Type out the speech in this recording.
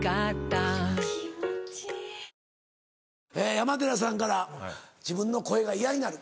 山寺さんから「自分の声がイヤになる」。